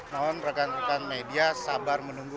namun rekan rekan media sabar menunggu